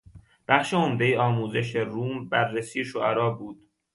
بخش عمدهی آموزش روم بررسی شعرا بود.